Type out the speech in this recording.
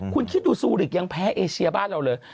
คุณคิดดูซูริกยังแพ้เอเชียบ้านเราเลย